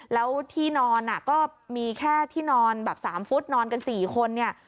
แล้วที่นอนก็มีแค่ที่นอนแบบ๓ฟุตนอนกัน๔คนเนี่ย